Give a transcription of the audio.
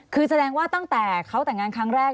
คือแสดงว่าตั้งแต่เขาแต่งงานครั้งแรก